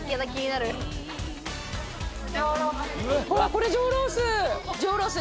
これ上ロース。